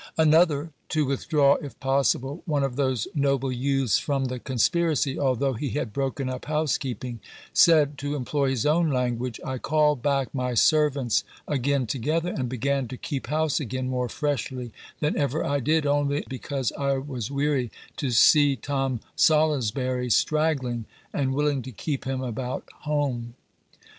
Another, to withdraw if possible one of those noble youths from the conspiracy, although he had broken up housekeeping, said, to employ his own language, "I called back my servants again together, and began to keep house again more freshly than ever I did, only because I was weary to see Tom Salusbury's straggling, and willing to keep him about home."